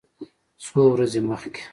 څو ورځې مخکې